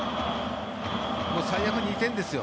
最悪２点ですよ。